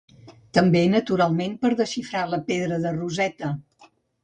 També, naturalment, per desxifrar la pedra de Rosetta.